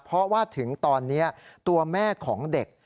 เพราะว่าถึงตอนนี้ตัวแม่ของเด็ก